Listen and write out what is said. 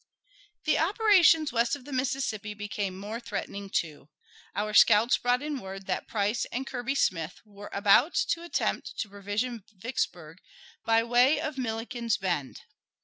The operations west of the Mississippi became more threatening, too. Our scouts brought in word that Price and Kirby Smith were about to attempt to provision Vicksburg by way of Milliken's Bend.